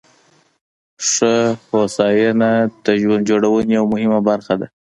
ښه هوساینه د ژوند جوړونې یوه مهمه برخه ده.